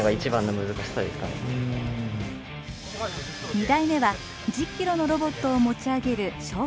２台目は１０キロのロボットを持ち上げる昇降ロボット。